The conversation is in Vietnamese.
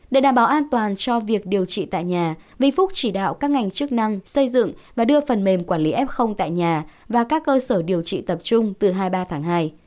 để đảm bảo an toàn cho việc điều trị tại nhà vĩnh phúc chỉ đạo các ngành chức năng xây dựng và đưa phần mềm quản lý f tại nhà và các cơ sở điều trị tập trung từ hai mươi ba tháng hai